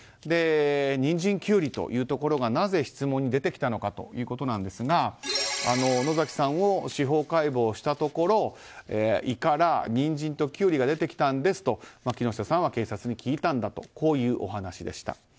ニンジン、キュウリというところがなぜ質問に出てきたのかですが野崎さんを司法解剖したところ胃からニンジンとキュウリが出てきたんですと木下さんは警察に聞いたんだというお話でした。